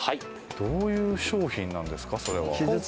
どういう商品なんですか？